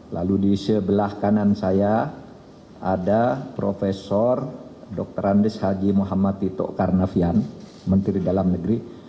lalu di sebelah kanan saya ada prof dr andes haji muhammad tito karnavian menteri dalam negeri